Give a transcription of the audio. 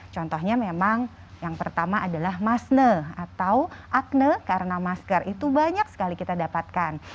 contohnya memang yang pertama adalah masne atau akne karena masker itu banyak sekali kita dapatkan